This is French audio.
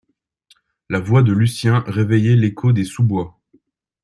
La voix de Lucien réveillait l’écho des sous-bois.